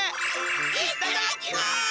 いっただきます！